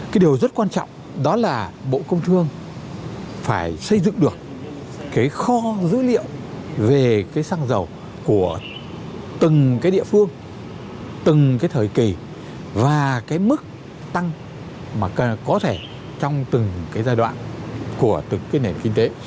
cái điều rất quan trọng đó là bộ công thương phải xây dựng được cái kho dữ liệu về cái xăng dầu của từng cái địa phương từng cái thời kỳ và cái mức tăng mà có thể trong từng cái giai đoạn của từng cái nền kinh tế